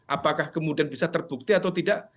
apakah kemudian bisa terbukti atau tidak